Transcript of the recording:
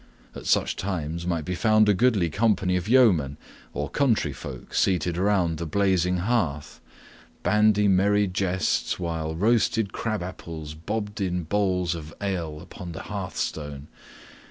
At such times might be found a goodly company of yeomen or country folk seated around the blazing hearth, bandying merry jests, while roasted crabs(2) bobbed in bowls of ale upon the hearthstone.